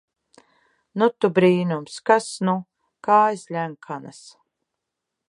Nu, tu brīnums! Kas nu! Kājas ļenkanas...